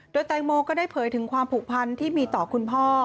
โดยแตงโมก็ได้เผยถึงความผูกพันที่มีต่อคุณพ่อ